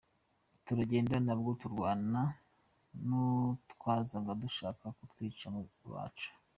Turagenda nabwo turwana n’utwazaga dushaka kutwicamo abacu.